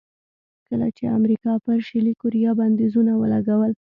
کله چې امریکا پر شلي کوریا بندیزونه ولګول.